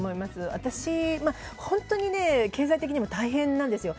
私、本当に経済的にも大変なんですよ。